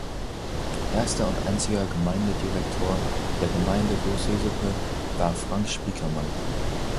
Erster und einziger Gemeindedirektor der Gemeinde Groß Hesepe war Franz Spiekermann.